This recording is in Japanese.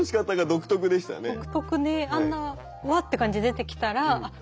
独特であんなわって感じで出てきたらあっ